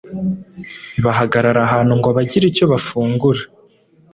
bahagarara ahantu ngo bagire icyo bafungura